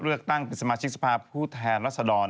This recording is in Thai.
เลือกตั้งเป็นสมาชิกสภาพผู้แทนรัศดร